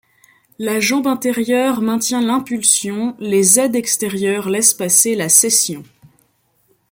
La jambe intérieure maintient l'impulsion, les aides extérieures laissent passer la cession..